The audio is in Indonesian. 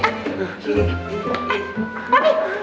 eh pak papi